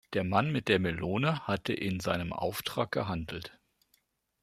Der Mann mit der Melone hatte in seinem Auftrag gehandelt.